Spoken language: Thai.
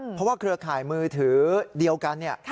เพราะว่าเครือข่ายมือถือเดียวกันเนี่ย